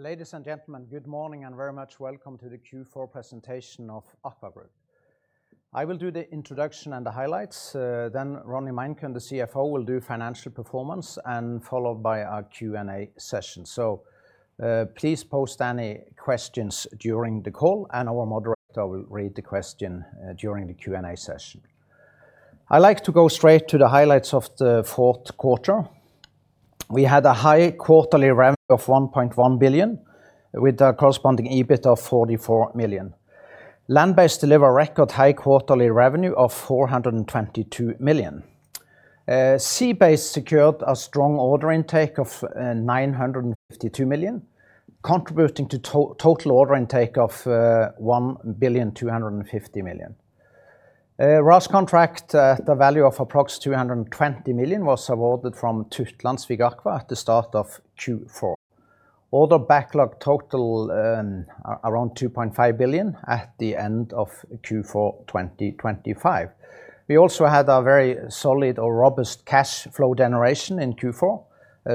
Ladies and gentlemen, good morning and very much welcome to the Q4 presentation of AKVA group. I will do the introduction and the highlights, then Ronny Meinkøhn, the CFO, will do financial performance, and followed by our Q&A session. So, please post any questions during the call, and our moderator will read the question during the Q&A session. I like to go straight to the highlights of the fourth quarter. We had a high quarterly revenue of 1.1 billion, with a corresponding EBIT of 44 million. Land-based deliver record high quarterly revenue of 422 million. Sea-based secured a strong order intake of 952 million, contributing to total order intake of 1.25 billion. RAS contract, the value of approx 220 million, was awarded from Tytlandsvik Aqua at the start of Q4. Order backlog total around 2.5 billion at the end of Q4, 2025. We also had a very solid or robust cash flow generation in Q4,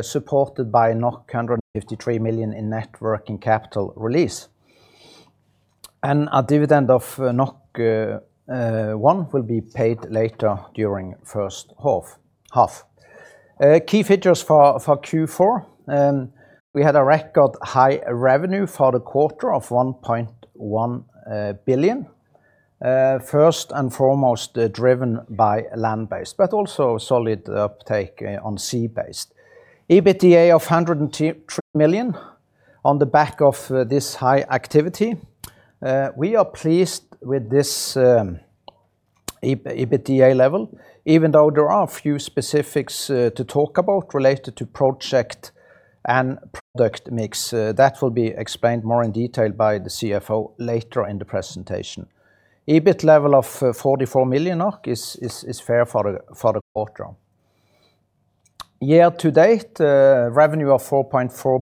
supported by 153 million in net working capital release. And a dividend of 1 will be paid later during first half. Key features for Q4, we had a record high revenue for the quarter of 1.1 billion. First and foremost, driven by land-based, but also solid uptake on sea-based. EBITDA of 103 million on the back of this high activity. We are pleased with this EBITDA level, even though there are a few specifics to talk about related to project and product mix. That will be explained more in detail by the CFO later in the presentation. EBIT level of 44 million is fair for the quarter. Year to date, revenue of 4.4 billion,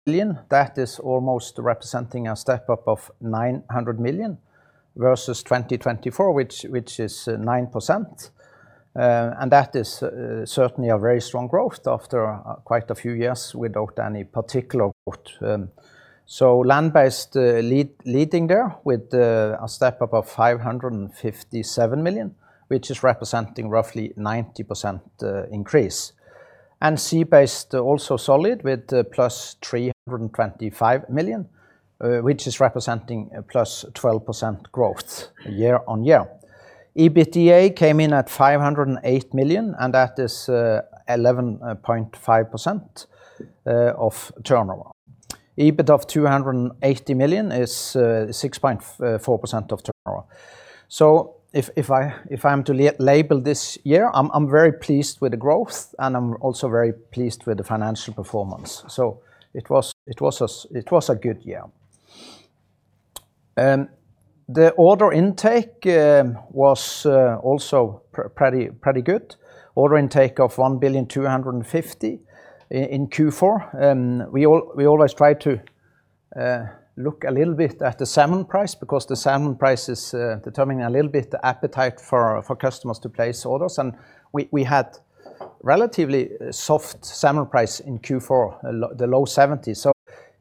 that is almost representing a step-up of 900 million versus 2024, which is 9%. And that is certainly a very strong growth after quite a few years without any particular growth. So land-based leading there with a step-up of 557 million, which is representing roughly 90% increase. Sea-based, also solid, with +325 million, which is representing a +12% growth year-on-year. EBITDA came in at 508 million, and that is 11.5% of turnover. EBIT of 280 million is 6.4% of turnover. So if I am to label this year, I am very pleased with the growth, and I am also very pleased with the financial performance. So it was a good year. The order intake was also pretty good. Order intake of 1.25 billion in Q4, we always try to look a little bit at the salmon price, because the salmon price is determining a little bit the appetite for customers to place orders. And we had relatively soft salmon price in Q4, the low seventies. So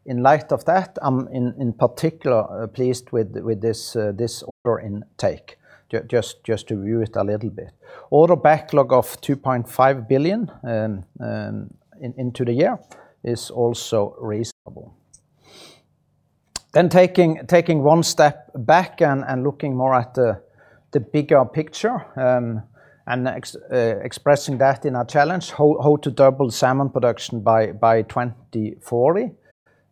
in light of that, I'm in particular pleased with this order intake, just to view it a little bit. Order backlog of 2.5 billion into the year is also reasonable. Then taking one step back and looking more at the bigger picture, and expressing that in our challenge, how to double salmon production by 2040.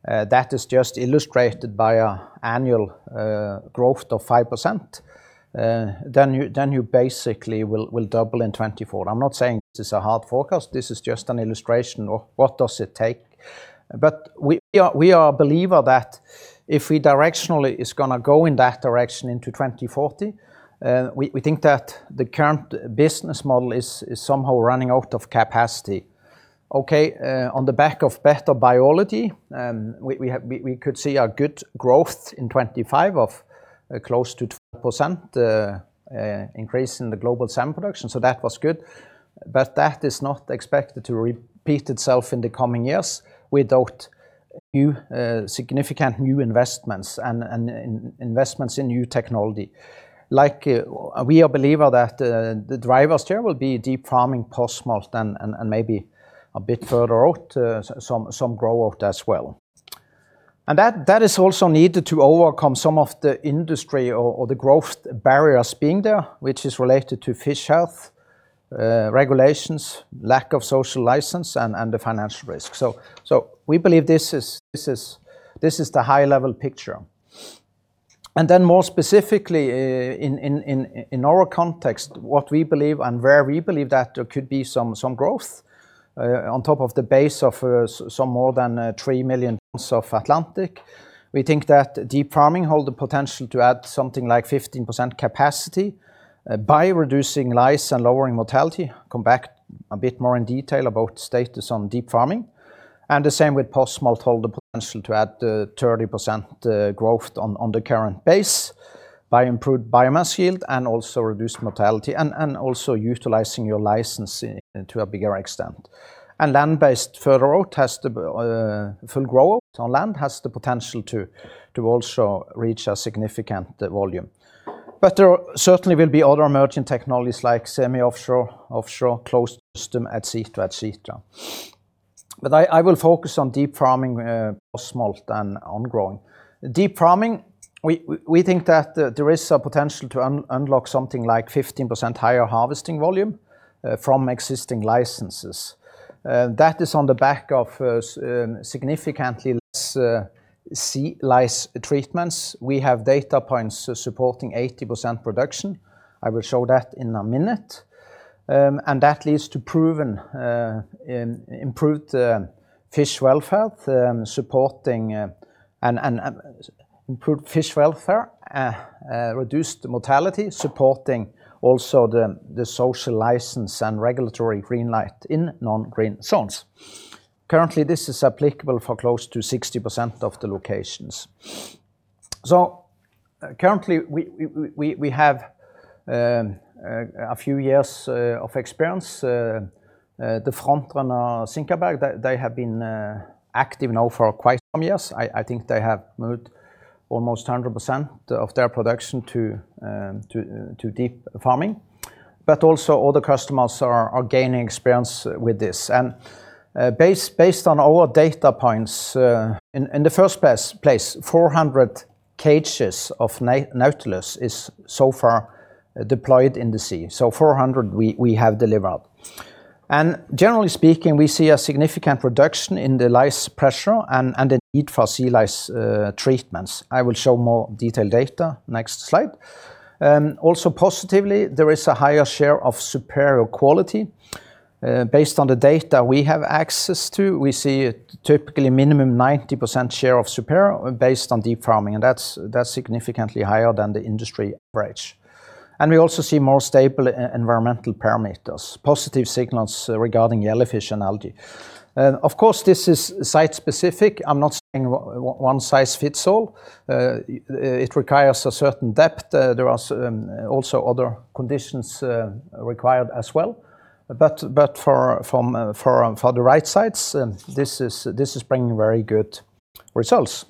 That is just illustrated by an annual growth of 5%. Then you basically will double in 2024. I'm not saying this is a hard forecast. This is just an illustration of what does it take? But we are a believer that if we directionally is gonna go in that direction into 2040, we think that the current business model is somehow running out of capacity. Okay, on the back of better biology, we could see a good growth in 2025 of close to 12% increase in the global salmon production, so that was good. But that is not expected to repeat itself in the coming years without new significant new investments and investments in new technology. Like, we are a believer that the drivers here will be deep farming post-smolt, and maybe a bit further out, some growth as well. And that is also needed to overcome some of the industry or the growth barriers being there, which is related to fish health, regulations, lack of social license, and the financial risk. So we believe this is the high-level picture. And then more specifically, in our context, what we believe and where we believe that there could be some growth on top of the base of some more than 3 million tons of Atlantic. We think that deep farming hold the potential to add something like 15% capacity by reducing lice and lowering mortality. Come back a bit more in detail about status on deep farming, and the same with post-smolt, hold the potential to add 30% growth on the current base by improved biomass yield and also reduced mortality, and also utilizing your license to a bigger extent. Land-based further out has the full grow out on land, has the potential to also reach a significant volume. But there certainly will be other emerging technologies like semi-offshore, offshore, closed system, et cetera, et cetera. But I will focus on deep farming, post-smolt and on growing. Deep farming, we think that there is a potential to unlock something like 15% higher harvesting volume from existing licenses. That is on the back of significantly less sea lice treatments. We have data points supporting 80% production. I will show that in a minute. And that leads to proven improved fish welfare, supporting and improved fish welfare, reduced mortality, supporting also the social license and regulatory green light in non-green zones. Currently, this is applicable for close to 60% of the locations. So currently, we have a few years of experience. The front runner, SinkabergHansen, they have been active now for quite some years. I think they have moved almost 100% of their production to deep farming. But also other customers are gaining experience with this. And based on our data points, in the first place, 400 cages of Nautilus is so far deployed in the sea. So 400, we have delivered. And generally speaking, we see a significant reduction in the lice pressure and the need for sea lice treatments. I will show more detailed data next slide. Also positively, there is a higher share of superior quality. Based on the data we have access to, we see typically minimum 90% share of superior based on deep farming, and that's significantly higher than the industry average. And we also see more stable environmental parameters, positive signals regarding jellyfish and algae. Of course, this is site specific. I'm not saying one size fits all. It requires a certain depth. There are also other conditions required as well. But for the right sites, this is bringing very good results.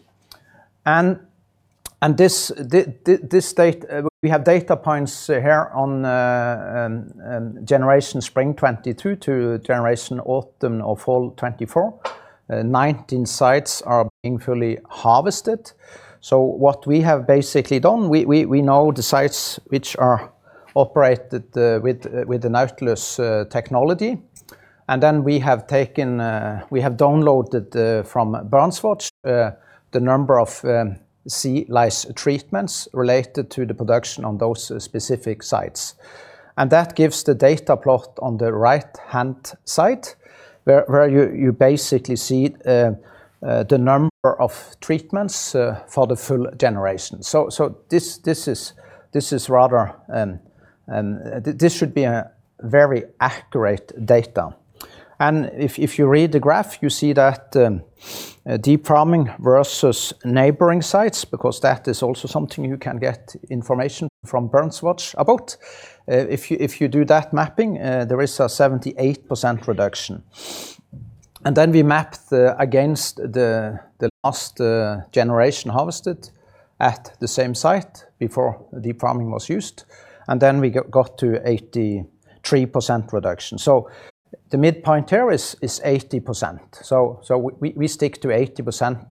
This data, we have data points here on generation spring 2022 to generation autumn or fall 2024. 19 sites are being fully harvested. So what we have basically done, we know the sites which are operated with the Nautilus technology, and then we have taken we have downloaded from BarentsWatch the number of sea lice treatments related to the production on those specific sites. And that gives the data plot on the right-hand side, where you basically see the number of treatments for the full generation. So this is rather this should be a very accurate data. If you read the graph, you see that deep farming versus neighboring sites, because that is also something you can get information from BarentsWatch about. If you do that mapping, there is a 78% reduction. And then we mapped against the last generation harvested at the same site before deep farming was used, and then we got to 83% reduction. So the midpoint here is 80%. So we stick to 80%,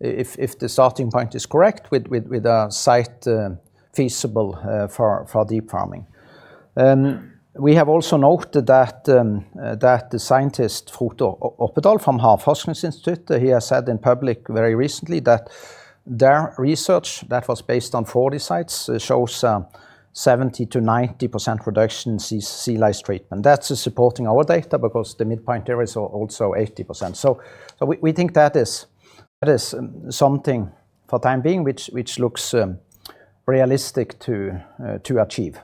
if the starting point is correct with a site feasible for deep farming. We have also noted that the scientist, Frode Oppedal, from Havforskningsinstituttet, he has said in public very recently that their research, that was based on 40 sites, shows 70%-90% reduction in sea lice treatment. That's supporting our data, because the midpoint there is also 80%. So we think that is something for time being, which looks realistic to achieve.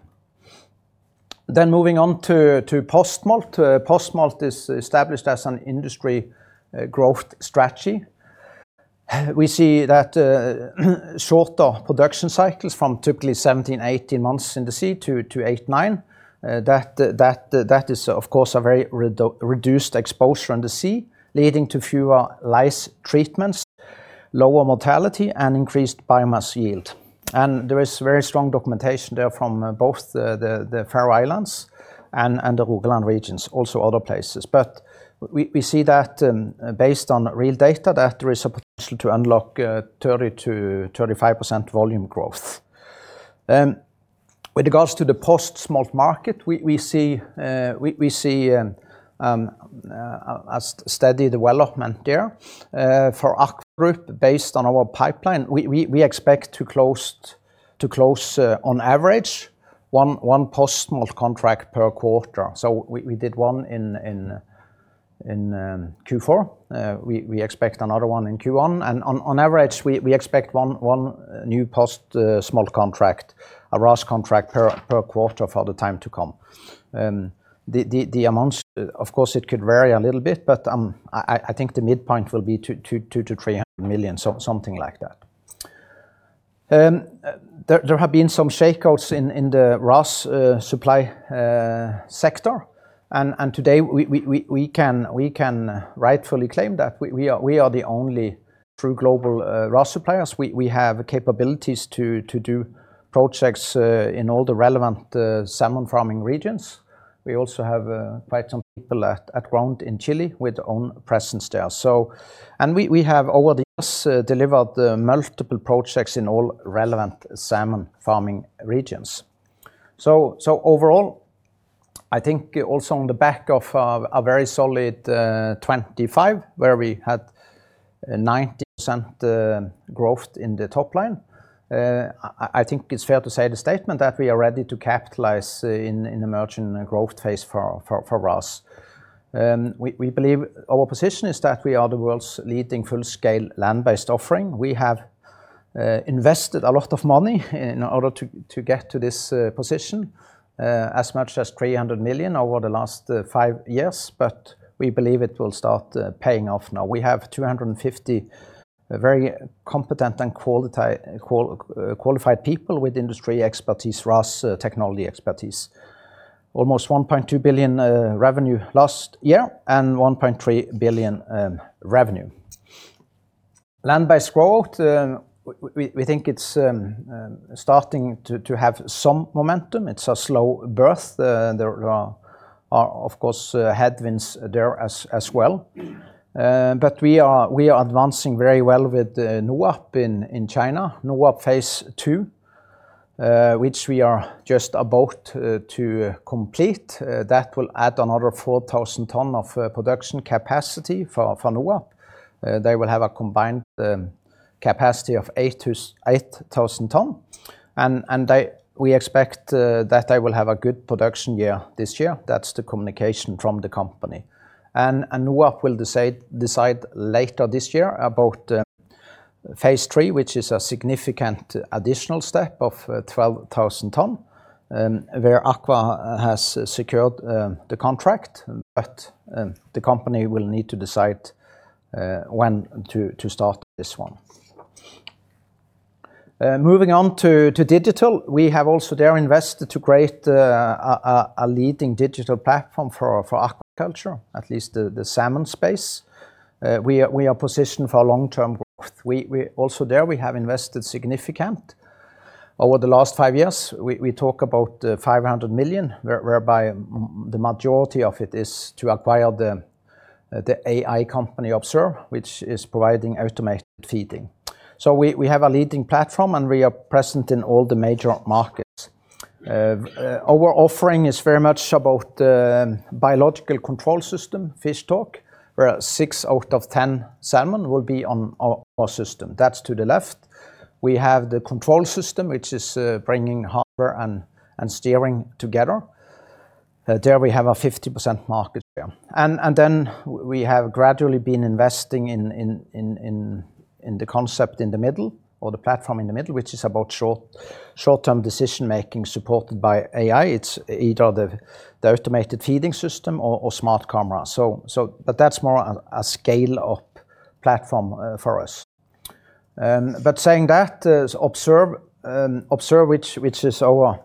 Then moving on to post-smolt. Post-smolt is established as an industry growth strategy. We see that shorter production cycles from typically 17-18 months in the sea to 8-9. That is, of course, a very reduced exposure in the sea, leading to fewer lice treatments, lower mortality, and increased biomass yield. There is very strong documentation there from both the Faroe Islands and the Rogaland regions, also other places. We see that, based on real data, there is a potential to unlock 30%-35% volume growth. With regards to the post-smolt market, we see a steady development there. For AKVA group, based on our pipeline, we expect to close on average one post-smolt contract per quarter. So we did one in Q4. We expect another one in Q1. And on average, we expect one new post-smolt contract, a RAS contract per quarter for the time to come. The amounts, of course, it could vary a little bit, but I think the midpoint will be 200 million-300 million, so something like that. There have been some shakeouts in the RAS supply sector, and today we can rightfully claim that we are the only true global RAS suppliers. We have capabilities to do projects in all the relevant salmon farming regions. We also have quite some people on the ground in Chile with own presence there. We have over the years delivered multiple projects in all relevant salmon farming regions. So overall, I think also on the back of a very solid 25, where we had 90% growth in the top line, I think it's fair to say the statement that we are ready to capitalize in emerging growth phase for RAS. We believe our position is that we are the world's leading full-scale land-based offering. We have invested a lot of money in order to get to this position, as much as 300 million over the last 5 years, but we believe it will start paying off now. We have 250 very competent and qualified people with industry expertise, RAS technology expertise. Almost 1.2 billion revenue last year and 1.3 billion revenue. Land-based growth, we think it's starting to have some momentum. It's a slow birth. There are, of course, headwinds there as well. But we are advancing very well with NOAP in China. NOAP Phase Two, which we are just about to complete. That will add another 4,000 tons of production capacity for NOAP. They will have a combined capacity of 8,000 tons, and we expect that they will have a good production year, this year. That's the communication from the company. NOAP will decide later this year about Phase Three, which is a significant additional step of 12,000 tons, where AKVA has secured the contract, but the company will need to decide when to start this one. Moving on to digital. We have also there invested to create a leading digital platform for aquaculture, at least the salmon space. We are positioned for long-term growth. Also there, we have invested significantly. Over the last five years, we talk about 500 million, whereby the majority of it is to acquire the AI company, Observe, which is providing automated feeding. So we have a leading platform, and we are present in all the major markets. Our offering is very much about biological control system, FishTalk, where six out of ten salmon will be on our system. That's to the left. We have the control system, which is bringing hardware and steering together. There we have a 50% market share. And then we have gradually been investing in the concept in the middle or the platform in the middle, which is about short-term decision-making, supported by AI. It's either the automated feeding system or smart camera. But that's more a scale-up platform for us. But saying that, Observe, which is our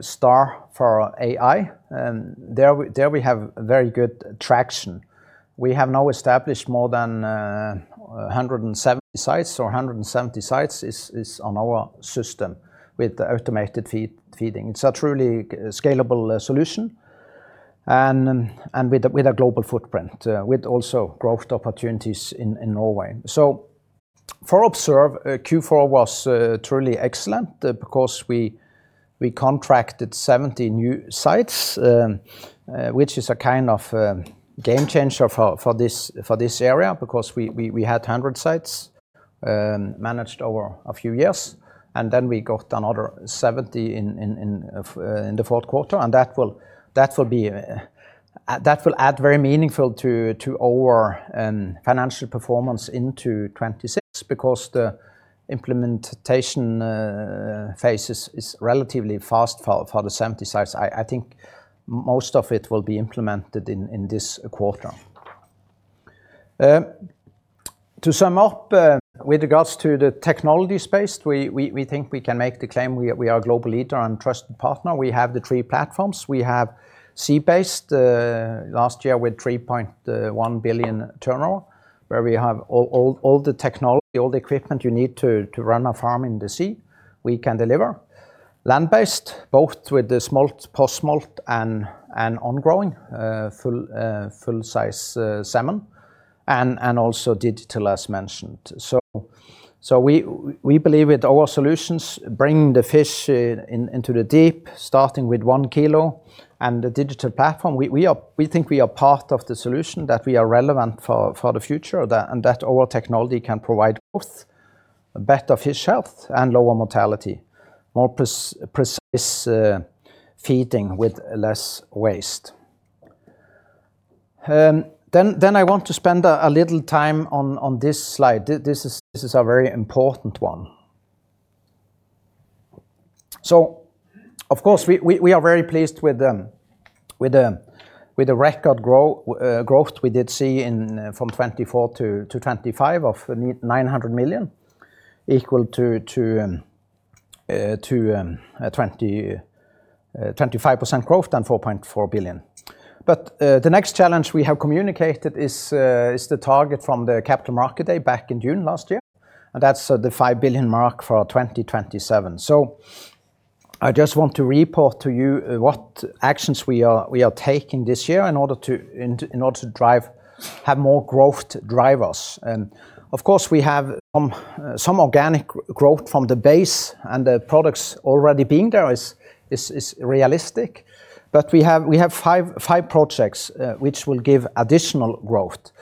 star for AI, there we have very good traction. We have now established more than 170 sites, or 170 sites is on our system with automated feeding. It's a truly scalable solution and with a global footprint with also growth opportunities in Norway. So for Observe, Q4 was truly excellent because we contracted 70 new sites which is a kind of game changer for this area, because we had 100 sites managed over a few years, and then we got another 70 in the fourth quarter, and that will be... That will add very meaningful to our financial performance into 2026, because the implementation phase is relatively fast for the 70 sites. I think most of it will be implemented in this quarter. To sum up, with regards to the technology space, we think we can make the claim we are a global leader and trusted partner. We have the three platforms. We have Sea-Based, last year with 3.1 billion turnover, where we have all the technology, all the equipment you need to run a farm in the sea, we can deliver. Land-based, both with the smolt, post-smolt and on-growing, full size salmon, and also digital, as mentioned. So we believe with our solutions, bringing the fish in, into the deep, starting with one kilo and the digital platform, we are—we think we are part of the solution, that we are relevant for the future, and that our technology can provide growth, better fish health and lower mortality, more precise feeding with less waste. Then I want to spend a little time on this slide. This is a very important one. So of course, we are very pleased with the record growth we did see from 2024 to 2025 of 900 million, equal to 25% growth and 4.4 billion. The next challenge we have communicated is the target from the capital market day back in June last year, and that's the 5 billion mark for 2027. So I just want to report to you what actions we are taking this year in order to have more growth drivers. Of course, we have some organic growth from the base, and the products already being there is realistic. But we have 5 projects which will give additional growth.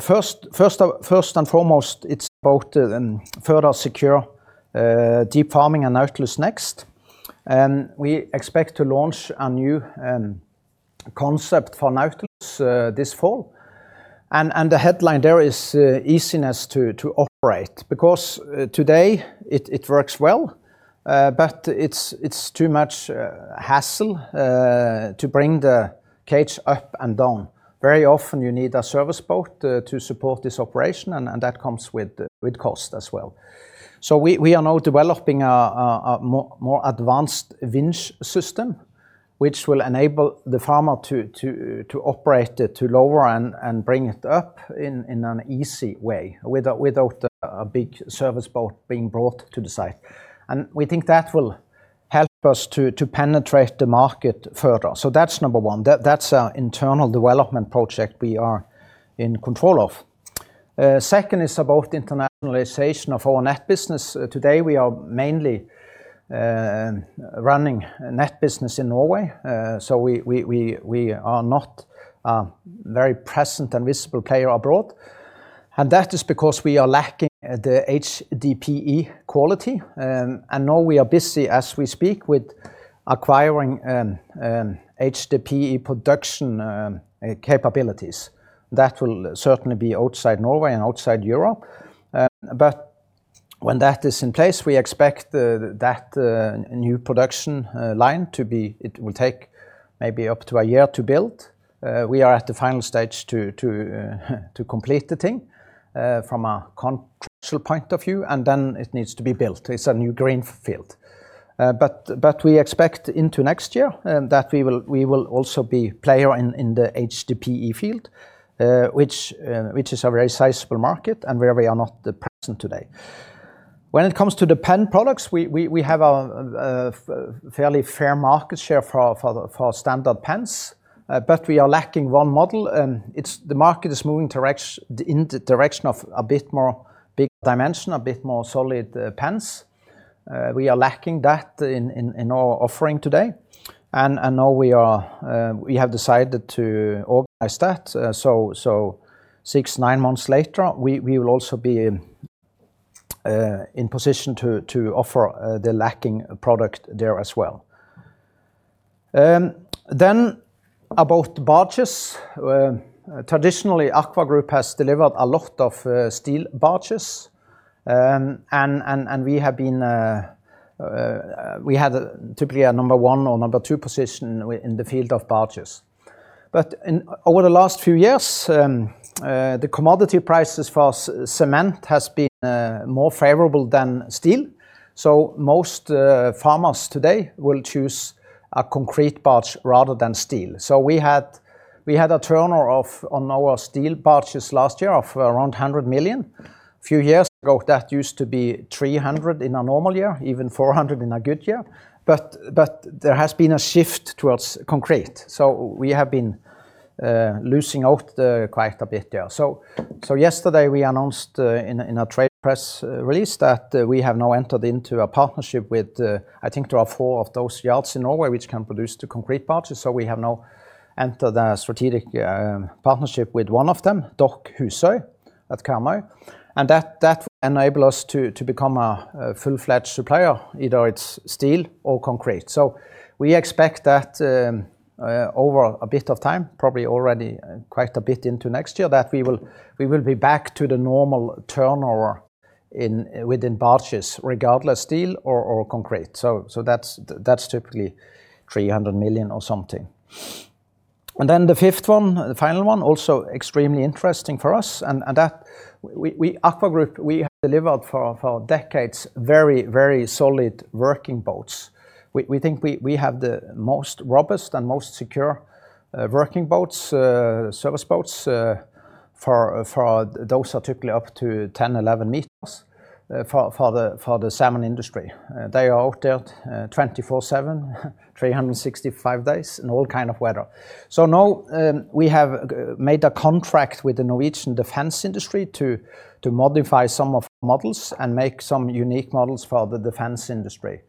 First and foremost, it's about further secure deep farming and Nautilus Next. And we expect to launch a new concept for Nautilus this fall. And the headline there is easiness to operate, because today it works well, but it's too much hassle to bring the cage up and down. Very often you need a service boat to support this operation, and that comes with cost as well. So we are now developing a more advanced winch system, which will enable the farmer to operate it, to lower and bring it up in an easy way, without a big service boat being brought to the site. And we think that will help us to penetrate the market further. So that's number one. That's an internal development project we are in control of. Second is about internationalization of our net business. Today, we are mainly running net business in Norway. So we are not a very present and visible player abroad, and that is because we are lacking the HDPE quality. And now we are busy as we speak with acquiring HDPE production capabilities. That will certainly be outside Norway and outside Europe. But when that is in place, we expect that new production line. It will take maybe up to a year to build. We are at the final stage to complete the thing from a contractual point of view, and then it needs to be built. It's a new green field. But we expect into next year that we will also be player in the HDPE field, which is a very sizable market and where we are not present today. When it comes to the pen products, we have a fairly fair market share for the standard pens, but we are lacking one model, and it's the market is moving direction, in the direction of a bit more bigger dimension, a bit more solid pens. We are lacking that in our offering today, and now we have decided to organize that. So 6-9 months later, we will also be in position to offer the lacking product there as well. Then about barges, traditionally, AKVA group has delivered a lot of steel barges. And we have been, we had typically a number one or number two position in the field of barges. But over the last few years, the commodity prices for cement has been more favorable than steel. So most farmers today will choose a concrete barge rather than steel. So we had a turnover of NOK 100 million on our steel barges last year. A few years ago, that used to be 300 million in a normal year, even 400 million in a good year. But there has been a shift towards concrete, so we have been losing out quite a bit there. So yesterday, we announced in a trade press release that we have now entered into a partnership with, I think there are four of those yards in Norway, which can produce the concrete barges, so we have now entered a strategic partnership with one of them, Haugaland Dock, at Karmøy. And that will enable us to become a full-fledged supplier, either it's steel or concrete. So we expect that over a bit of time, probably already quite a bit into next year, that we will be back to the normal turnover within barges, regardless steel or concrete. So that's typically 300 million or something. And then the fifth one, the final one, also extremely interesting for us, and that we—AKVA group—we have delivered for decades, very solid working boats. We think we have the most robust and most secure working boats, service boats, for those are typically up to 10, 11 meters for the salmon industry. They are out there 24/7, 365 days in all kind of weather. So now, we have made a contract with the Norwegian defense industry to modify some of the models and make some unique models for the defense industry.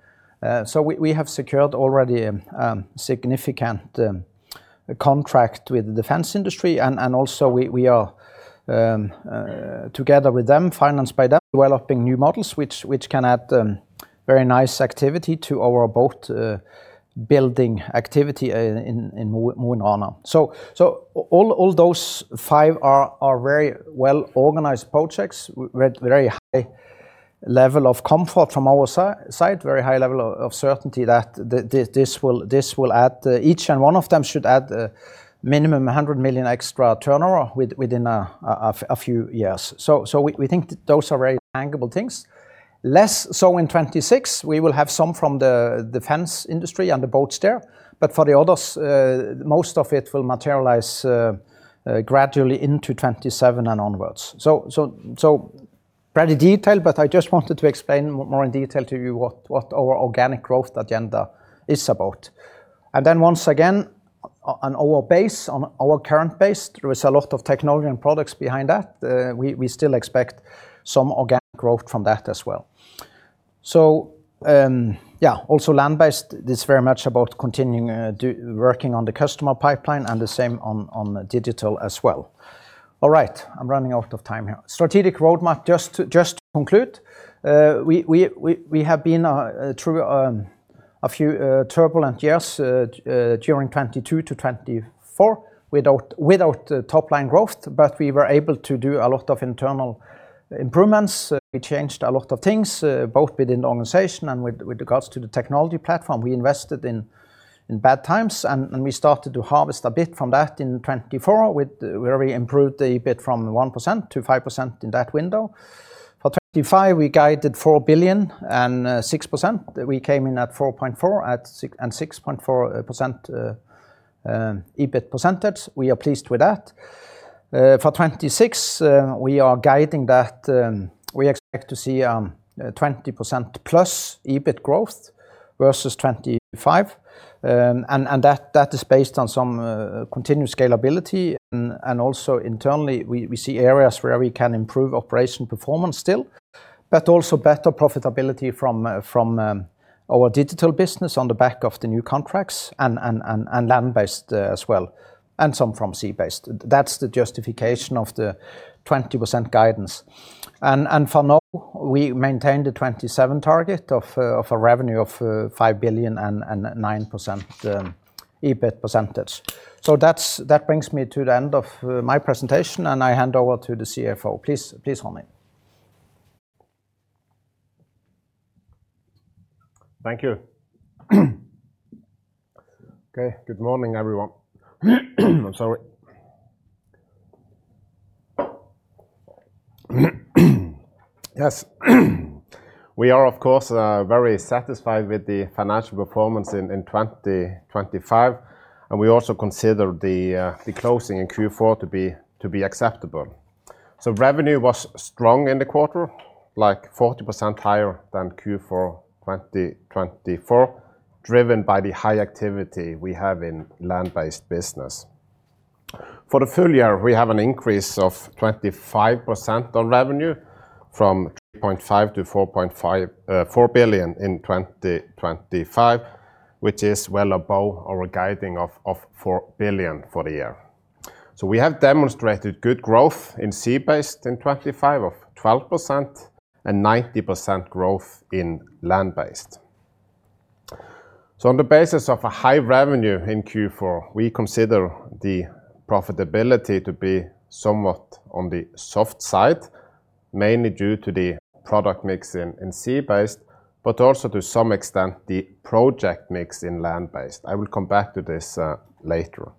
So we have secured already significant contract with the defense industry, and also we are together with them, financed by them, developing new models which can add very nice activity to our boat building activity in Mo i Rana. So all those five are very well-organized projects with very high level of comfort from our side, very high level of certainty that this will add—each one of them should add minimum 100 million extra turnover within a few years. So we think that those are very tangible things. Less so in 2026, we will have some from the fence industry and the boats there, but for the others, most of it will materialize gradually into 2027 and onwards. So, pretty detailed, but I just wanted to explain more in detail to you what our organic growth agenda is about. And then once again, on our base, on our current base, there is a lot of technology and products behind that. We still expect some organic growth from that as well. So, yeah, also land-based, it is very much about continuing working on the customer pipeline and the same on digital as well. All right, I'm running out of time here. Strategic roadmap, just to conclude, we have been through a few turbulent years during 2022-2024, without top-line growth, but we were able to do a lot of internal improvements. We changed a lot of things, both within the organization and with regards to the technology platform. We invested in bad times, and we started to harvest a bit from that in 2024, with where we improved the EBIT from 1%-5% in that window. For 2025, we guided 4 billion and 6%. We came in at 4.4 billion at 6.4% EBIT percentage. We are pleased with that. For 2026, we are guiding that we expect to see 20%+ EBIT growth versus 2025. And that is based on some continuous scalability and also internally, we see areas where we can improve operation performance still, but also better profitability from our digital business on the back of the new contracts and land-based as well, and some from sea-based. That's the justification of the 20% guidance. And for now, we maintain the 2027 target of a revenue of 5 billion and 9% EBIT percentage. So that's that brings me to the end of my presentation, and I hand over to the CFO. Please, Ronny. Thank you. Okay, good morning, everyone. I'm sorry. Yes, we are, of course, very satisfied with the financial performance in 2025, and we also consider the closing in Q4 to be acceptable. So revenue was strong in the quarter, like 40% higher than Q4 2024, driven by the high activity we have in land-based business. For the full year, we have an increase of 25% on revenue, from 3.5 billion-4.5 billion in 2025, which is well above our guiding of 4 billion for the year. So we have demonstrated good growth in sea-based in 2025 of 12% and 90% growth in land-based. So on the basis of a high revenue in Q4, we consider the profitability to be somewhat on the soft side, mainly due to the product mix in sea-based, but also to some extent, the project mix in land-based. I will come back to this, later.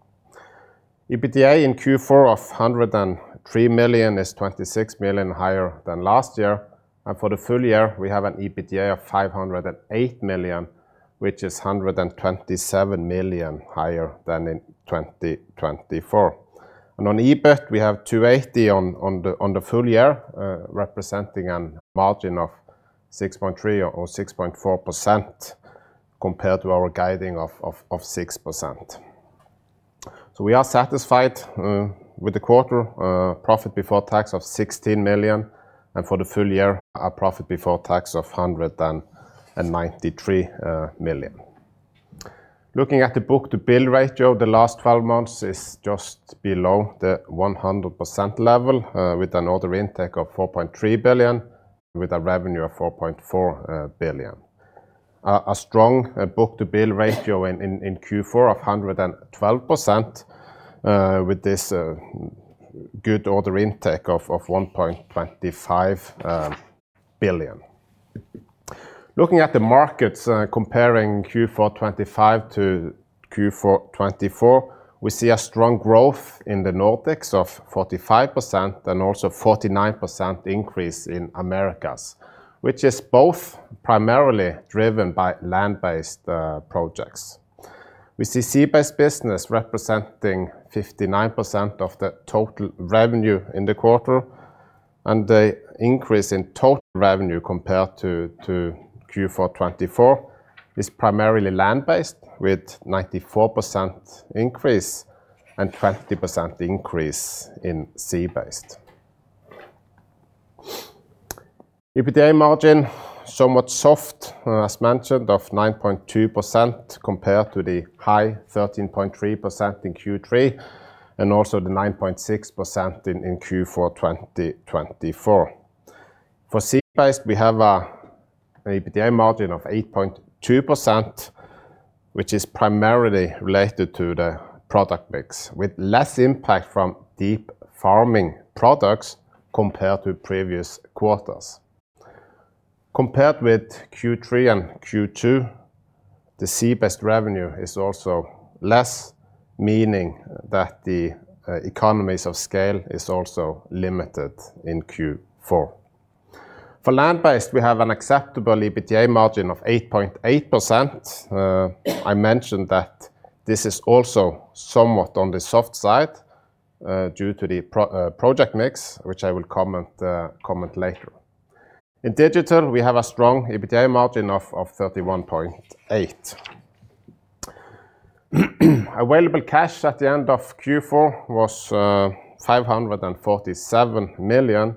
EBITDA in Q4 of 103 million is 26 million higher than last year, and for the full year, we have an EBITDA of 508 million, which is 127 million higher than in 2024. And on EBIT, we have 280 on the full year, representing a margin of 6.3% or 6.4% compared to our guiding of six percent. So we are satisfied with the quarter profit before tax of 16 million, and for the full year, our profit before tax of 193 million. Looking at the book-to-bill ratio, the last twelve months is just below the 100% level with an order intake of 4.3 billion, with a revenue of 4.4 billion. A strong book-to-bill ratio in Q4 of 112% with this good order intake of 1.25 billion. Looking at the markets comparing Q4 2025 to Q4 2024, we see a strong growth in the Nordics of 45% and also 49% increase in Americas, which is both primarily driven by land-based projects. We see sea-based business representing 59% of the total revenue in the quarter, and the increase in total revenue compared to Q4 2024 is primarily land-based, with 94% increase and 20% increase in sea-based. EBITDA margin, somewhat soft, as mentioned, of 9.2%, compared to the high 13.3% in Q3, and also the 9.6% in Q4 2024. For Sea-based, we have an EBITDA margin of 8.2%, which is primarily related to the product mix, with less impact from deep farming products compared to previous quarters. Compared with Q3 and Q2, the Sea-based revenue is also less, meaning that the economies of scale is also limited in Q4. For Land-based, we have an acceptable EBITDA margin of 8.8%. I mentioned that this is also somewhat on the soft side due to the project mix, which I will comment later. In Digital, we have a strong EBITDA margin of 31.8%. Available cash at the end of Q4 was 547 million,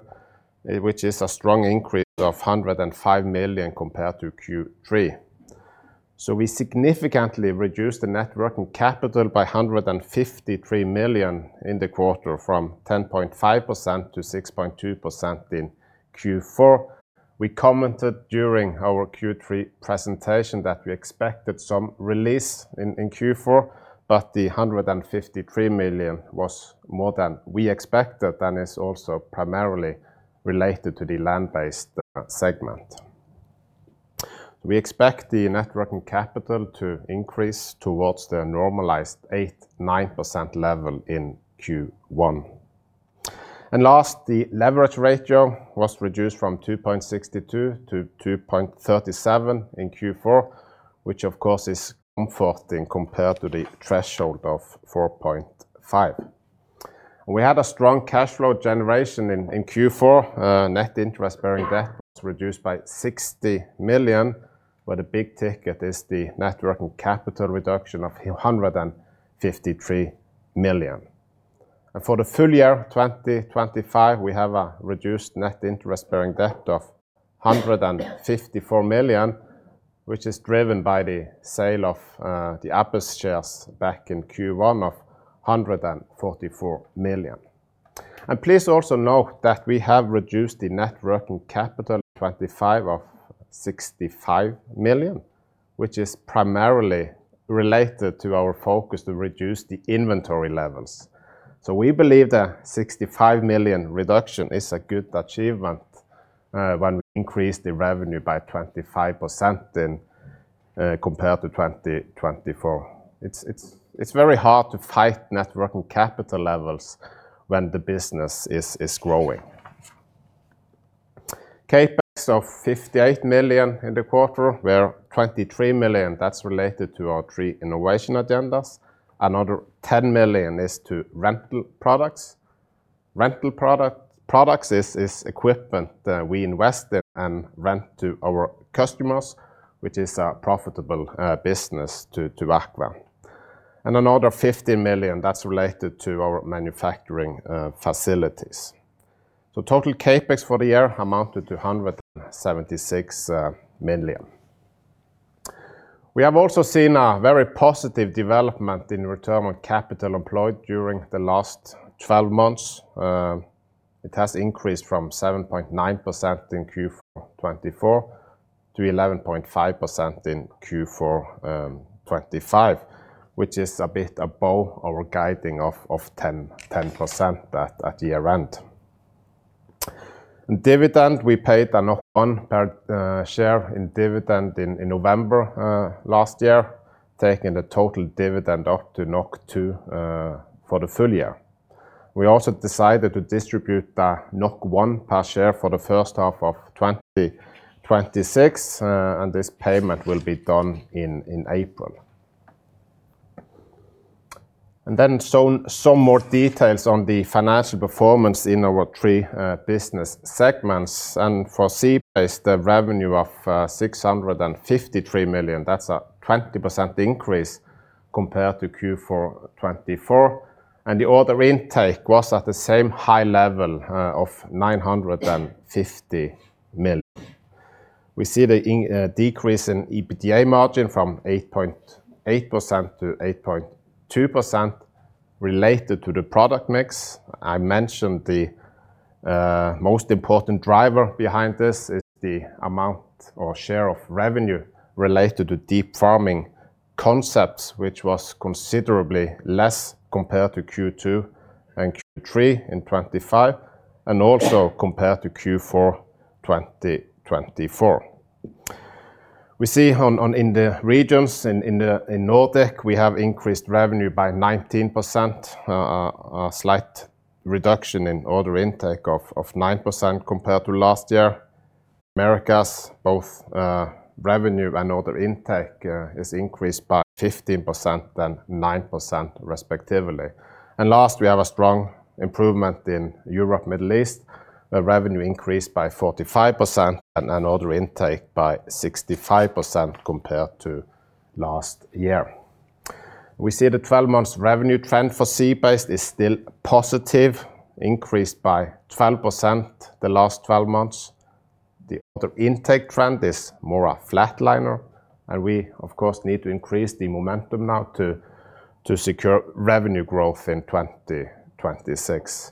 which is a strong increase of 105 million compared to Q3. So we significantly reduced the net working capital by 153 million in the quarter, from 10.5% to 6.2% in Q4. We commented during our Q3 presentation that we expected some release in Q4, but the 153 million was more than we expected, and is also primarily related to the land-based segment. We expect the net working capital to increase towards the normalized 8%-9% level in Q1. And last, the leverage ratio was reduced from 2.62 to 2.37 in Q4, which of course is comforting compared to the threshold of 4.5. We had a strong cash flow generation in Q4. Net interest-bearing debt was reduced by 60 million, where the big ticket is the net working capital reduction of 153 million. And for the full year of 2025, we have a reduced net interest-bearing debt of 154 million, which is driven by the sale of the Abyss shares back in Q1 of 144 million. And please also note that we have reduced the net working capital in 2025 of 65 million, which is primarily related to our focus to reduce the inventory levels. So we believe the 65 million reduction is a good achievement when we increase the revenue by 25% compared to 2024. It's very hard to fight net working capital levels when the business is growing. CapEx of 58 million in the quarter, where 23 million, that's related to our three innovation agendas. Another 10 million is to rental products. Rental products is equipment that we invest in and rent to our customers, which is a profitable business to AKVA. And another 50 million that's related to our manufacturing facilities. So total CapEx for the year amounted to 176 million. We have also seen a very positive development in return on capital employed during the last 12 months. It has increased from 7.9% in Q4 2024 to 11.5% in Q4 2025, which is a bit above our guiding of 10% at year-end. In dividend, we paid 1 per share in dividend in November last year, taking the total dividend up to 2 for the full year. We also decided to distribute 1 per share for the first half of 2026, and this payment will be done in April. Some more details on the financial performance in our three business segments. And for Seabased, the revenue of 653 million, that's a 20% increase compared to Q4 2024. And the order intake was at the same high level of 950 million. We see the decrease in EBITDA margin from 8.8% to 8.2% related to the product mix. I mentioned the most important driver behind this is the amount or share of revenue related to deep farming concepts, which was considerably less compared to Q2 and Q3 in 2025, and also compared to Q4 2024. We see in the regions, in the Nordics, we have increased revenue by 19%, a slight reduction in order intake of 9% compared to last year. Americas, both revenue and order intake is increased by 15% and 9% respectively. And last, we have a strong improvement in Europe, Middle East. The revenue increased by 45% and an order intake by 65% compared to last year. We see the 12-month revenue trend for Sea-based is still positive, increased by 12% the last 12 months. The order intake trend is more a flatliner, and we of course need to increase the momentum now to secure revenue growth in 2026.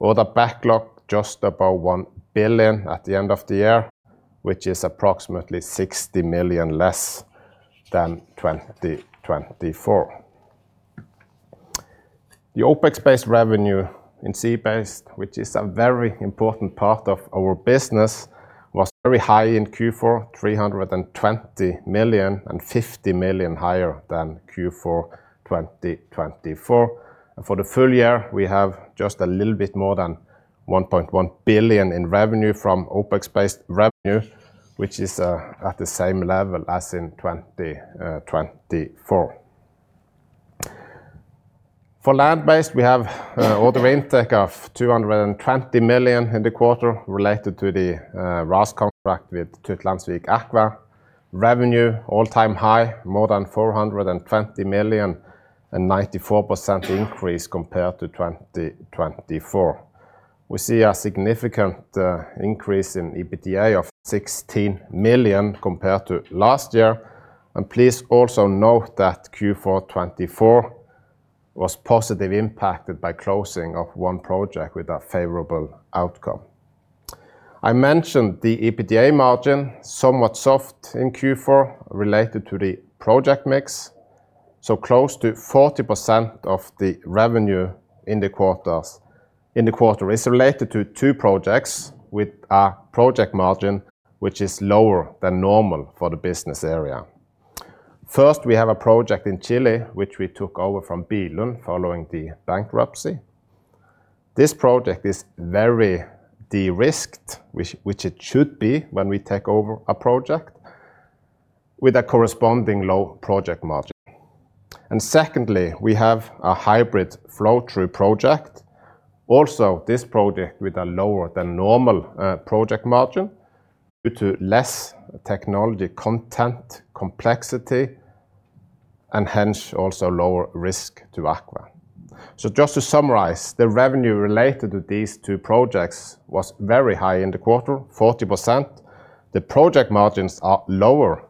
Order backlog just about 1 billion at the end of the year, which is approximately 60 million less than 2024. The ocean-based revenue in Sea-based, which is a very important part of our business, was very high in Q4, 320 million, and 50 million higher than Q4 2024. For the full year, we have just a little bit more than 1.1 billion in revenue from ocean-based revenue, which is at the same level as in 2024. For land-based, we have order intake of 220 million in the quarter related to the RAS contract with Tytlandsvik Aqua. Revenue, all-time high, more than 420 million, and 94% increase compared to 2024. We see a significant increase in EBITDA of 16 million compared to last year. Please also note that Q4 2024 was positively impacted by closing of one project with a favorable outcome. I mentioned the EBITDA margin, somewhat soft in Q4, related to the project mix. So close to 40% of the revenue in the quarter is related to two projects, with a project margin which is lower than normal for the business area. First, we have a project in Chile, which we took over from Billund following the bankruptcy. This project is very de-risked, which it should be when we take over a project, with a corresponding low project margin. And secondly, we have a hybrid flow-through project. Also, this project with a lower-than-normal project margin due to less technology content, complexity, and hence, also lower risk to Aqua. So just to summarize, the revenue related to these two projects was very high in the quarter, 40%. The project margins are lower,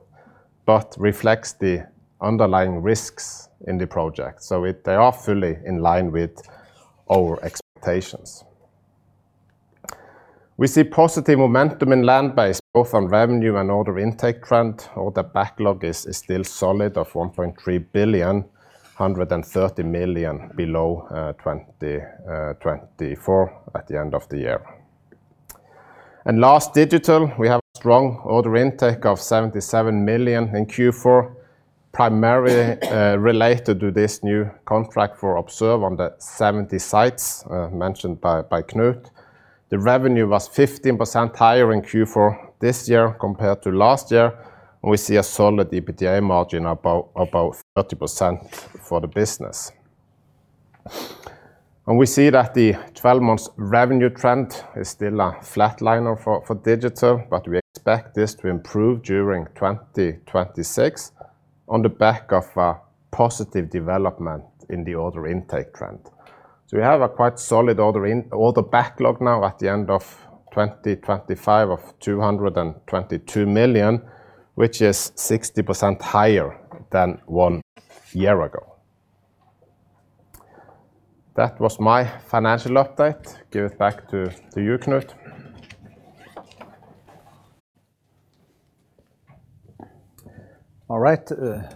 but reflects the underlying risks in the project, so they are fully in line with our expectations. We see positive momentum in land-based, both on revenue and order intake trend. Order backlog is still solid of 1.3 billion, 130 million below 2024 at the end of the year. And last, digital. We have a strong order intake of 77 million in Q4, primarily related to this new contract for Observe on the 70 sites mentioned by Knut. The revenue was 15% higher in Q4 this year compared to last year. We see a solid EBITDA margin, about 30% for the business. And we see that the 12-month revenue trend is still a flatliner for digital, but we expect this to improve during 2026, on the back of a positive development in the order intake trend. So we have a quite solid order backlog now at the end of 2025, of 222 million, which is 60% higher than one year ago. That was my financial update. Give it back to you, Knut. All right,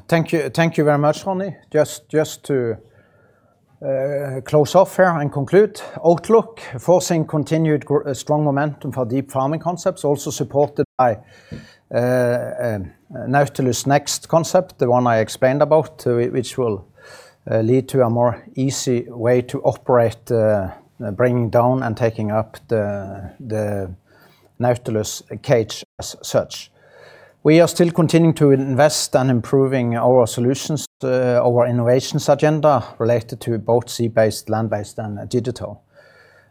thank you. Thank you very much, Johnny. Just to close off here and conclude. Outlook: foreseeing continued strong momentum for deep farming concepts, also supported by Nautilus Next concept, the one I explained about, which will lead to a more easy way to operate, bringing down and taking up the Nautilus cage as such. We are still continuing to invest and improving our solutions, our innovations agenda, related to both sea-based, land-based, and digital.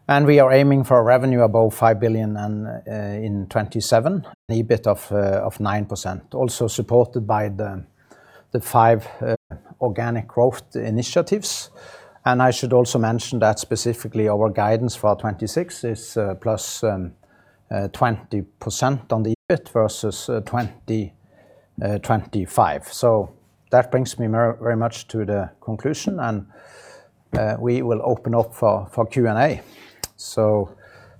We are aiming for a revenue above 5 billion in 2027, an EBIT of 9%, also supported by the 5 organic growth initiatives. I should also mention that specifically, our guidance for 2026 is +20% on the EBIT versus 2025. So that brings me very, very much to the conclusion, and, we will open up for, for Q&A. So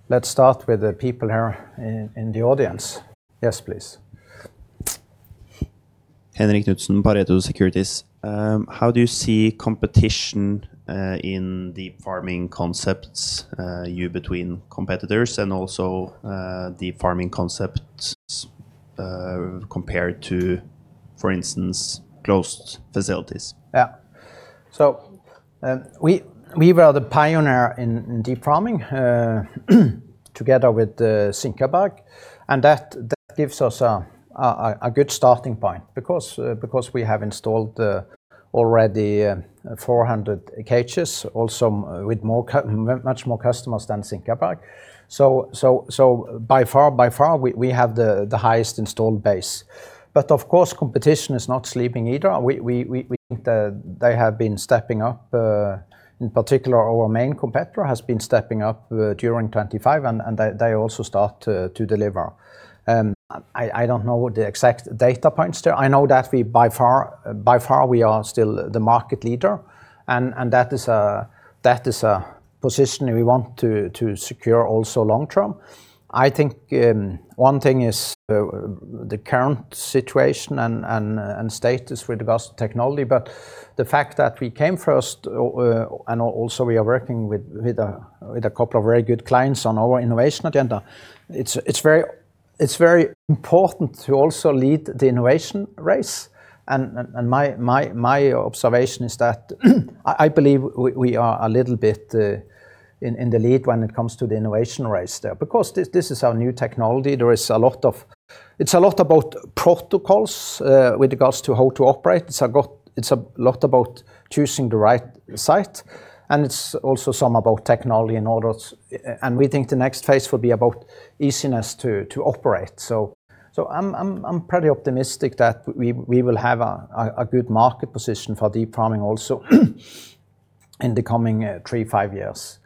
let's start with the people here in the audience. Yes, please. Henrik Knutsen, Pareto Securities. How do you see competition in the farming concepts between competitors and also the farming concepts compared to, for instance, closed facilities? Yeah. So, we were the pioneer in deep farming together with the SinkabergHansen, and that gives us a good starting point because we have installed already 400 cages, also with much more customers than SinkabergHansen. So, by far, we have the highest installed base. But of course, competition is not sleeping either. They have been stepping up, in particular, our main competitor has been stepping up during 2025, and they also start to deliver. I don't know what the exact data points there. I know that we, by far, we are still the market leader, and that is a positioning we want to secure also long term. I think, one thing is, the current situation and status with regards to technology, but the fact that we came first, and also we are working with a couple of very good clients on our innovation agenda, it's very important to also lead the innovation race. And my observation is that, I believe we are a little bit in the lead when it comes to the innovation race there. Because this is our new technology. There is a lot about protocols with regards to how to operate. It's a lot about choosing the right site, and it's also some about technology in order. And we think the next phase will be about easiness to operate. So, I'm pretty optimistic that we will have a good market position for deep farming also, in the coming 3-5 years.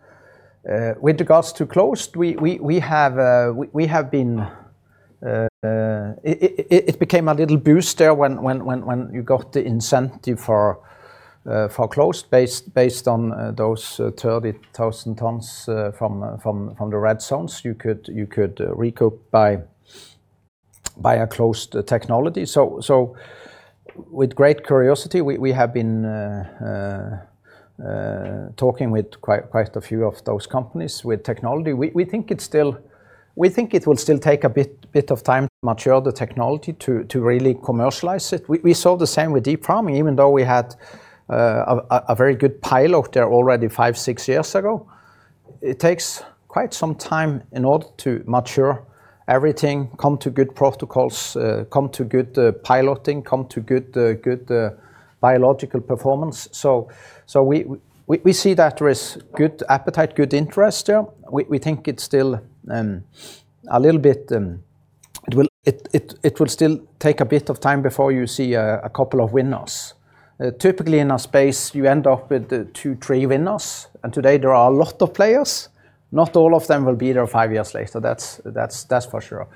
With regards to closed, we have been... It became a little boost there when you got the incentive for closed, based on those 30,000 tons from the red zones. You could recoup by a closed technology. So with great curiosity, we have been talking with quite a few of those companies with technology. We think it will still take a bit of time to mature the technology to really commercialize it. We saw the same with deep farming, even though we had a very good pilot there already 5-6 years ago. It takes quite some time in order to mature everything, come to good protocols, come to good piloting, come to good biological performance. So we see that there is good appetite, good interest there. We think it's still a little bit, it will still take a bit of time before you see a couple of winners. Typically in our space, you end up with 2-3 winners, and today there are a lot of players. Not all of them will be there 5 years later. That's for sure.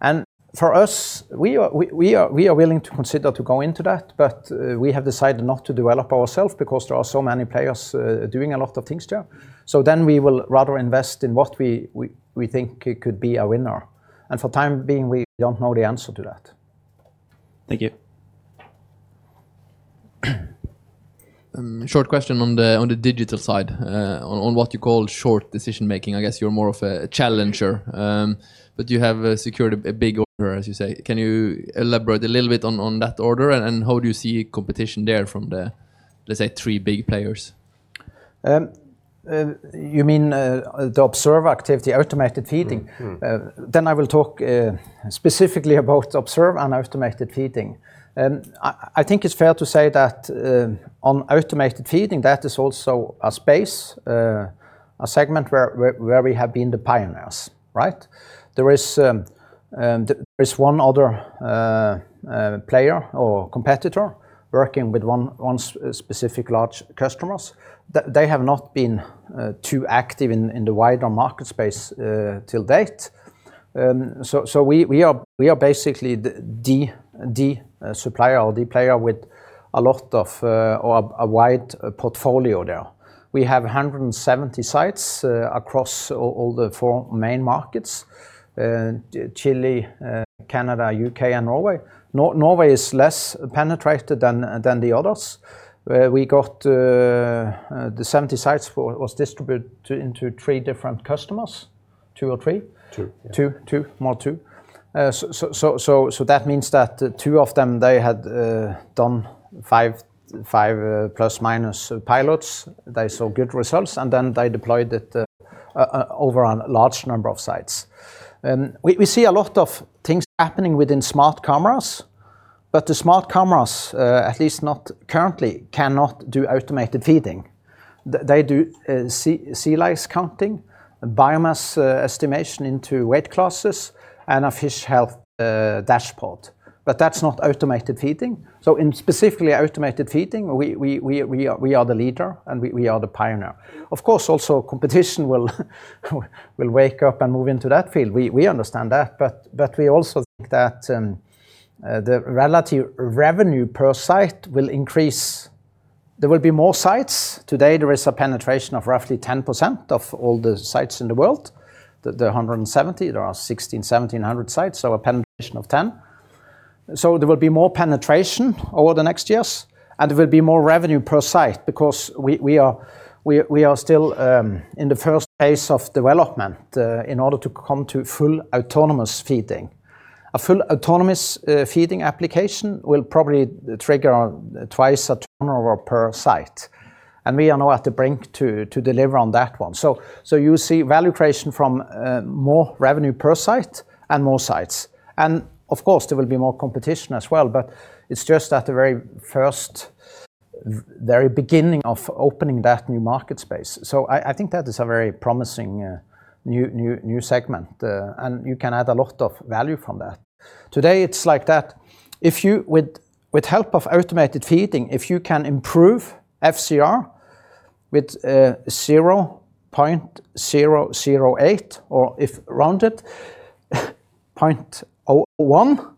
And for us, we are willing to consider to go into that, but we have decided not to develop ourselves because there are so many players doing a lot of things there. So then we will rather invest in what we think it could be a winner. And for the time being, we don't know the answer to that. Thank you. Short question on the digital side, on what you call short decision-making. I guess you're more of a challenger, but you have secured a big order, as you say. Can you elaborate a little bit on that order, and how do you see competition there from the, let's say, three big players? You mean, the Observe activity, automated feeding?...... Then I will talk specifically about Observe and automated feeding. I think it's fair to say that on automated feeding, that is also a space, a segment where we have been the pioneers, right? There is one other player or competitor working with one specific large customer. They have not been too active in the wider market space to date. So we are basically the supplier or the player with a lot of or a wide portfolio there. We have 170 sites across all the four main markets, Chile, Canada, U.K., and Norway. Norway is less penetrated than the others. We got the 70 sites was distributed into three different customers. Two or three? Two. 2, 2. More 2. So that means that the 2 of them, they had done 5, 5 plus minus pilots. They saw good results, and then they deployed it over a large number of sites. We see a lot of things happening within smart cameras, but the smart cameras, at least not currently, cannot do automated feeding. They do sea lice counting, biomass estimation into weight classes, and a fish health dashboard. But that's not automated feeding. So in specifically automated feeding, we are the leader, and we are the pioneer. Of course, also competition will wake up and move into that field. We understand that, but we also think that the relative revenue per site will increase. There will be more sites. Today, there is a penetration of roughly 10% of all the sites in the world. The 170, there are 1,600-1,700 sites, so a penetration of 10. So there will be more penetration over the next years, and there will be more revenue per site because we are still in the first phase of development in order to come to full autonomous feeding. A full autonomous feeding application will probably trigger on twice a turnover per site, and we are now at the brink to deliver on that one. So you see value creation from more revenue per site and more sites. And of course, there will be more competition as well, but it's just at the very first, very beginning of opening that new market space. So I think that is a very promising new segment, and you can add a lot of value from that. Today, it's like that. If you, with help of automated feeding, if you can improve FCR with 0.008, or if rounded, 0.001...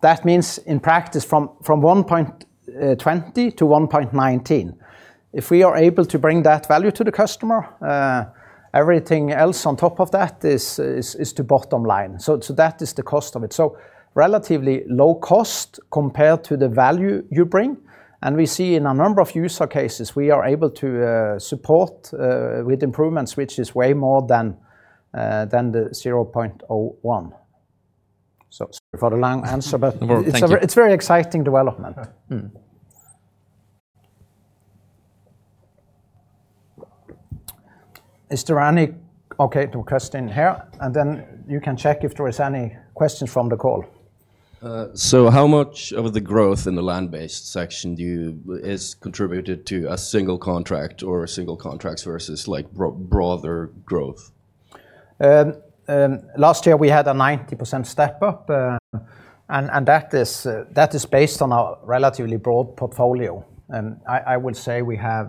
That means, in practice, from 1.20 to 1.19. If we are able to bring that value to the customer, everything else on top of that is the bottom line. So that is the cost of it. So relatively low cost compared to the value you bring, and we see in a number of use cases, we are able to support with improvements, which is way more than the 0.001. So sorry for the long answer, but- No, thank you. It's a very exciting development. Yeah. Is there any... Okay, the question here, and then you can check if there is any questions from the call. So how much of the growth in the land-based section do you, is contributed to a single contract or a single contracts versus, like, broader growth? Last year we had a 90% step-up, and that is based on our relatively broad portfolio. And I would say we have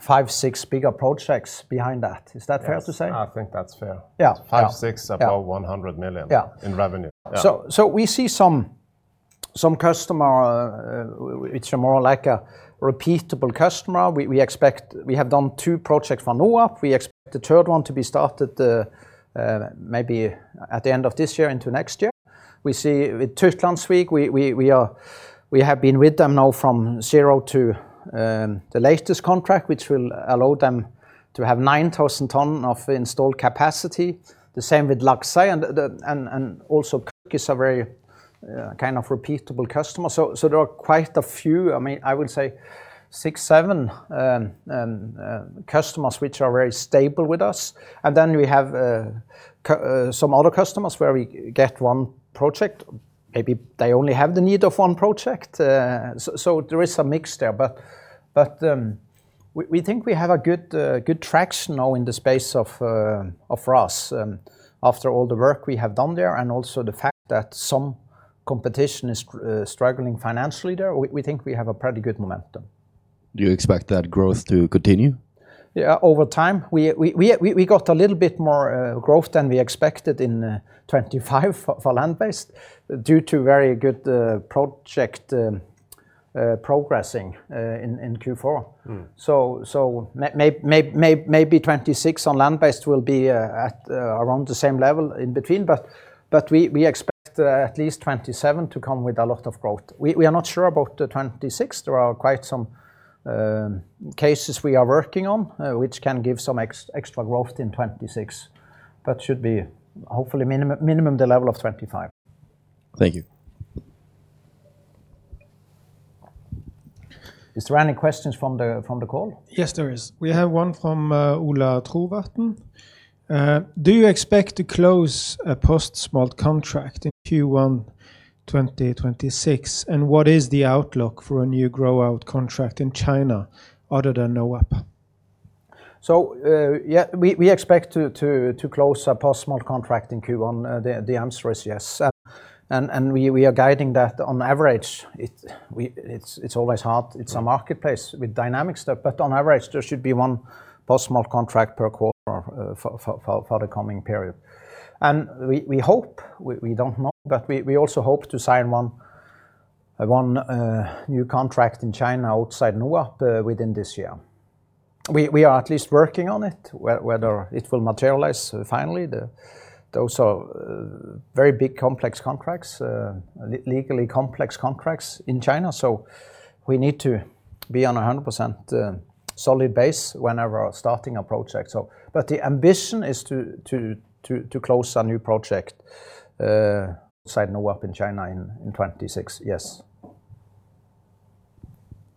five, six bigger projects behind that. Is that fair to say? Yes, I think that's fair. Yeah. Five, six- Yeah.... Above 100 million- Yeah - In revenue. Yeah. So we see some customers which are more like repeatable customers. We expect—we have done 2 projects for NOAP. We expect the third one to be started maybe at the end of this year into next year. We see with Tytlandsvik, we are, we have been with them now from zero to the latest contract, which will allow them to have 9,000 tons of installed capacity. The same with Laxey and also is a very kind of repeatable customer. So there are quite a few, I mean, I would say 6, 7 customers, which are very stable with us. And then we have some other customers where we get 1 project. Maybe they only have the need of 1 project. So there is a mix there. But we think we have a good traction now in the space of RAS. After all the work we have done there, and also the fact that some competition is struggling financially there, we think we have a pretty good momentum. Do you expect that growth to continue? Yeah, over time, we got a little bit more growth than we expected in 2025 for land-based, due to very good project progressing in Q4..... So, maybe 2026 on land-based will be around the same level in between, but we expect at least 2027 to come with a lot of growth. We are not sure about the 2026. There are quite some cases we are working on, which can give some extra growth in 2026, but should be hopefully minimum the level of 2025. Thank you. Is there any questions from the call? Yes, there is. We have one from, Ola Trovatn. "Do you expect to close a post-smolt contract in Q1 2026? And what is the outlook for a new grow-out contract in China other than NOAP? So, yeah, we expect to close a post-smolt contract in Q1. The answer is yes. And we are guiding that on average. It's always hard..... It's a marketplace with dynamic stuff, but on average, there should be one post-smolt contract per quarter for the coming period. We hope, we don't know, but we also hope to sign one new contract in China outside NOAP within this year. We are at least working on it. Whether it will materialize finally, those are very big, complex contracts, legally complex contracts in China, so we need to be on 100% solid base whenever starting a project. But the ambition is to close a new project inside NOAP in China in 2026, yes.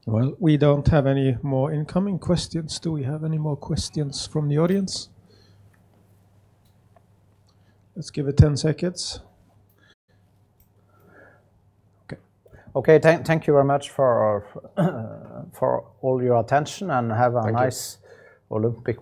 Well, we don't have any more incoming questions. Do we have any more questions from the audience? Let's give it 10 seconds. Okay. Okay, thank you very much for all your attention, and have a nice- Thank you... Olympic-